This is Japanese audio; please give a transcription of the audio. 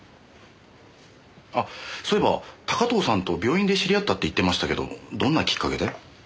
あっそういえば高塔さんと病院で知り合ったって言ってましたけどどんなきっかけで？